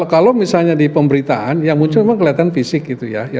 kalau misalnya di pemberitaan yang muncul memang kelihatan fisik gitu ya